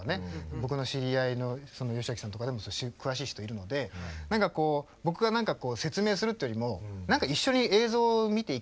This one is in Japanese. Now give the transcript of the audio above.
僕の知り合いの芳朗さんとかでも詳しい人いるので僕が何かこう説明するっていうよりも何か一緒に映像を見ていきたいなと思って。